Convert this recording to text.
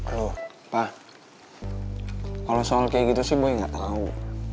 loh pa kalau soal kayak gitu sih boy gak tahu